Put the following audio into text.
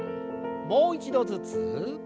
もう一度ずつ。